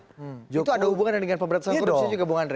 itu ada hubungannya dengan pemberantasan korupsi juga bung andre